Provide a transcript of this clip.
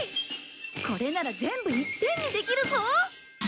これなら全部いっぺんにできるぞ！